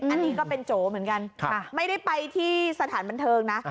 อันนี้ก็เป็นโจเหมือนกันไม่ได้ไปที่สถานบันเทิงนะ